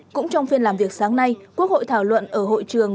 cũng trong phiên làm việc sáng nay quốc hội thảo luận ở hội trường